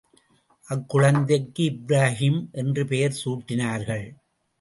அக்குழந்தைக்கு இப்ராஹிம் என்ற பெயர் சூட்டினார்கள்.